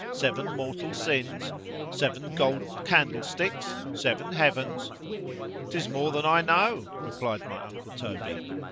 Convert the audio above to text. ——Seven mortal sins?——Seven golden candlesticks?——Seven heavens?—'Tis more than I know, replied my uncle _Toby.